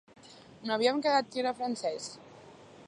No havíem quedat que era francès?